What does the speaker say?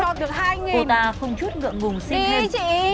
cô ta không chút ngượng ngùng xin thêm